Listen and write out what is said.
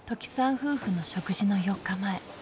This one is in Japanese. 夫婦の食事の４日前。